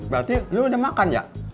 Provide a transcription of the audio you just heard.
berarti dia udah makan ya